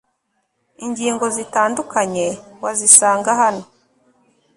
ingingo zitandukanye wazisanga hano